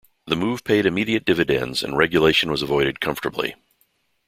The move paid immediate dividends and relegation was avoided comfortably.